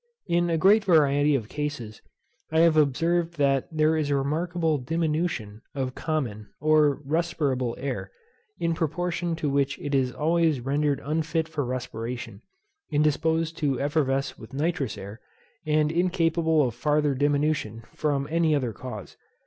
In a great variety of cases I have observed that there is a remarkable diminution of common, or respirable air, in proportion to which it is always rendered unfit for respiration, indisposed to effervesce with nitrous air, and incapable of farther diminution from any other cause.